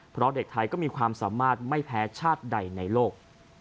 เพราะเด็กไทยก็มีความสามารถไม่แพ้ชาติใดในโลก